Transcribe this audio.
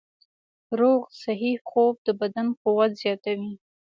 روغ صحي خوب د بدن قوت زیاتوي.